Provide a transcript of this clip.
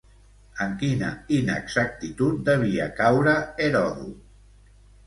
En quina inexactitud devia caure Heròdot?